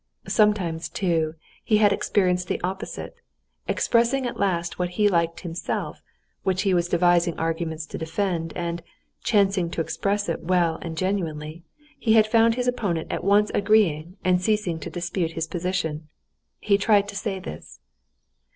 Sometimes, too, he had experienced the opposite, expressing at last what he liked himself, which he was devising arguments to defend, and, chancing to express it well and genuinely, he had found his opponent at once agreeing and ceasing to dispute his position. He tried to say this.